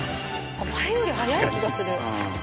前より早い気がする。